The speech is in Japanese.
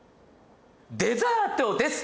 デザートです！